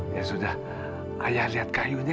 ya sudah ayah lihat kayunya